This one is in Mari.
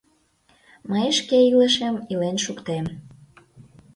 Мый шке илышем илен шуктем...